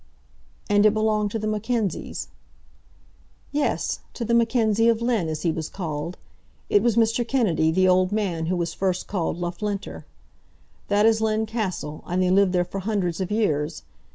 "And it belonged to the Mackenzies." "Yes; to the Mackenzie of Linn, as he was called. It was Mr. Kennedy, the old man, who was first called Loughlinter. That is Linn Castle, and they lived there for hundreds of years.